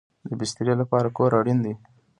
د بسترې لپاره کور اړین دی